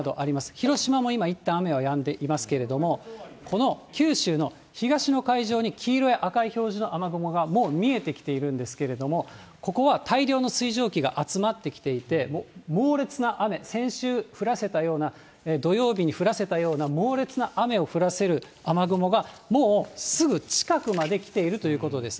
広島も今、いったん雨はやんでいますけれども、この九州の東の海上に黄色や赤い表示がもう見えてきているんですけれども、ここは大量の水蒸気が集まってきていて、猛烈な雨、先週降らせたような、土曜日に降らせたような猛烈な雨を降らせる雨雲がもうすぐ近くまで来ているということです。